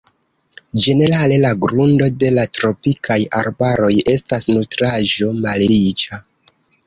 Ĝenerale la grundo de la tropikaj arbaroj estas nutraĵo-malriĉa.